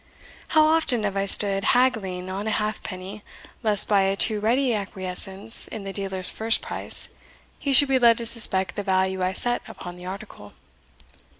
How often have I stood haggling on a halfpenny, lest, by a too ready acquiescence in the dealer's first price, he should be led to suspect the value I set upon the article!